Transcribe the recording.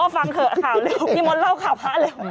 ฟังเถอะข่าวเร็วพี่มดเล่าข่าวพระเลย